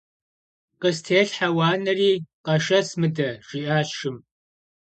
- Къыстелъхьэ уанэри, къэшэс мыдэ! - жиӏащ шым.